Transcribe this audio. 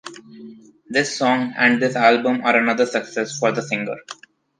This song and this album are another success for the singer.